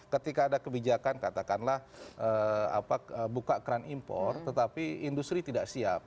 ketika ada kebijakan katakanlah buka keran impor tetapi industri tidak siap